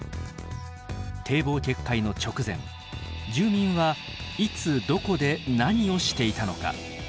堤防決壊の直前住民はいつどこで何をしていたのか。